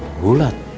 kau mau cant